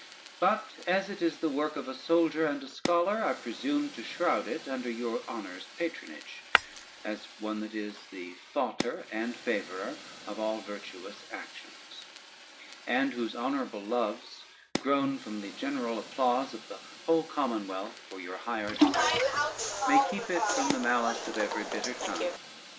But as it is the work of a soldier and a scholar, I presumed to shroud it under your Honor's patronage, as one that is the fautor and favorer of all virtuous actions; and whose honorable loves, grown from the general applause of the whole commonwealth for your higher deserts, may keep it from the malice of every bitter tongue.